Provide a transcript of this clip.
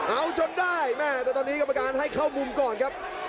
เอาจนได้แม่แต่ตอนนี้กรรมการให้เข้ามุมก่อนครับ